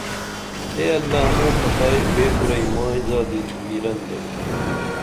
اے اللہ موں پھتائی وے کُرئی مائی زادی ویرن درو